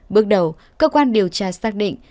bước đầu cơ quan điều tra xác định